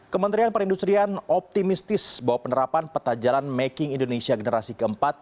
kementerian perindustrian optimistis bahwa penerapan peta jalan making indonesia generasi keempat